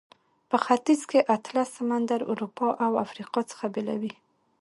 په ختیځ کې اطلس سمندر اروپا او افریقا څخه بیلوي.